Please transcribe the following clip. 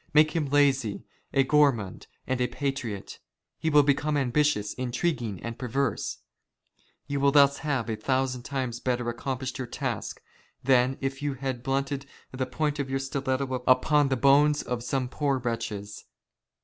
Make him lazy, a gourmand, and a patriot. "He will become ambitious, intriguing, and perverse. You "will thus have a thousand times better accomplished your task, 82 WAR OF ANTICHRIST WITH THE CHURCH. " than if you had blunted the point of your stiletto upon the '' bones of some poor wretches.